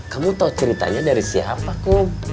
kamu tau ceritanya dari siapa kum